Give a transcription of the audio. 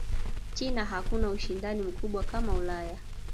china hakuna ushindani mkubwa kama Ulaya